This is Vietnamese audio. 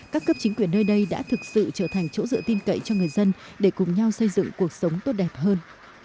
các cấp chính quyền nơi đây đã thực sự trở thành chỗ dựa tin cậy cho người dân để cùng nhau xây dựng cuộc sống tốt đẹp hơn